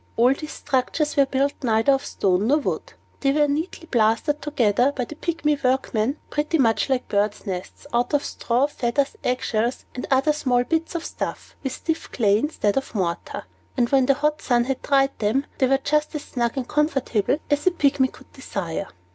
All these structures were built neither of stone nor wood. They were neatly plastered together by the Pygmy workmen, pretty much like birds' nests, out of straw, feathers, egg shells, and other small bits of stuff, with stiff clay instead of mortar; and when the hot sun had dried them, they were just as snug and comfortable as a Pygmy could desire.